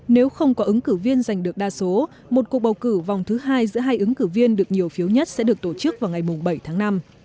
nếu không có ứng cử viên giành được đa số một cuộc bầu cử vòng thứ hai giữa hai ứng cử viên được nhiều phiếu nhất sẽ được tổ chức vào ngày bảy tháng năm